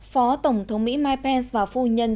phó tổng thống mỹ mike pence và phu nhân